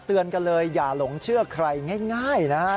เตือนกันเลยอย่าหลงเชื่อใครง่ายนะฮะ